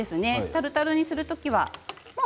タルタルにする時はね。